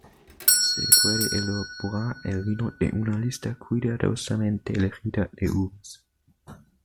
Se puede elaborar el vino de una lista cuidadosamente elegida de uvas.